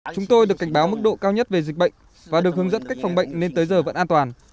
chúng tôi được cảnh báo mức độ cao nhất về dịch bệnh và được hướng dẫn cách phòng bệnh nên tới giờ vẫn an toàn